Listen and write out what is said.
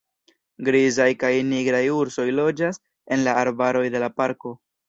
Grizaj kaj nigraj ursoj loĝas en la arbaroj de la parko.